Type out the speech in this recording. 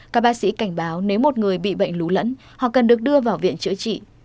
các bác sĩ cảnh báo nếu một người bị bệnh lún lẫn họ cần được đưa vào viện chữa trị